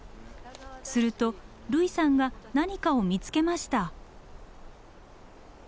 すると類さんが何かを見つけました。